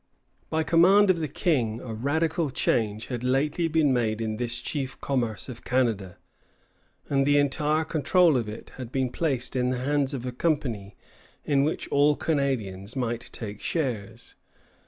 By command of the King a radical change had lately been made in this chief commerce of Canada, and the entire control of it had been placed in the hands of a company in which all Canadians might take shares.